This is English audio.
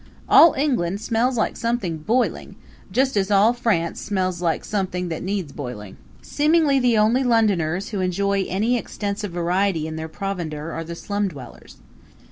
All England smells like something boiling, just as all France smells like something that needs boiling. Seemingly the only Londoners who enjoy any extensive variety in their provender are the slum dwellers.